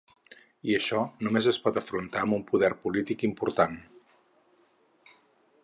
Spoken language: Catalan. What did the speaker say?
I això només es pot afrontar amb un poder polític important.